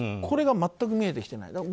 これが全く見えてきてない。